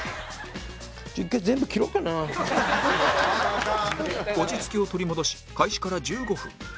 １回落ち着きを取り戻し開始から１５分